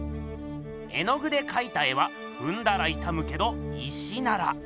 絵の具でかいた絵はふんだらいたむけど石なら。